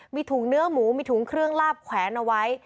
มีถุงเนื้อหมูมีถุงเครื่องลาบแขวนเอาไว้